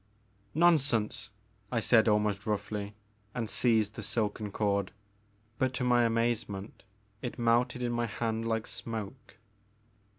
'* Nonsense,*' I said almost roughly, and seized the silken cord, but to my amazement it melted in my hand like smoke.